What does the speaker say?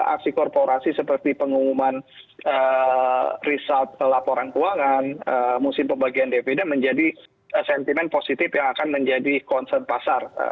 aksi korporasi seperti pengumuman result laporan keuangan musim pembagian dividen menjadi sentimen positif yang akan menjadi concern pasar